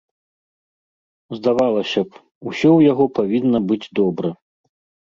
Здавалася б, усё ў яго павінна быць добра.